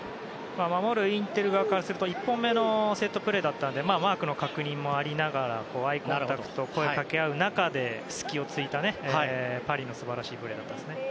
守るインテル側からすると１本目のセットプレーだったのでマークの確認もありながらアイコンタクト声をかけ合う中で隙を突いたパリの素晴らしいプレーでしたね。